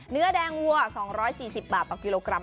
เนื้อแดงวัว๒๔๐บาทต่อกิโลกรัม